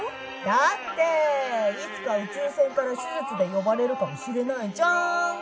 だっていつか宇宙船から手術で呼ばれるかもしれないじゃーん。